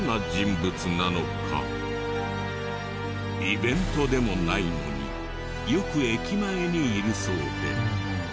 イベントでもないのによく駅前にいるそうで。